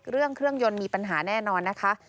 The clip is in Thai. เครื่องยนต์มีปัญหาแน่นอนนะคะ